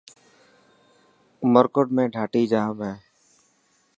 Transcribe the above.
عمرڪوٽ ۾ ڌاٽي ڄام هي.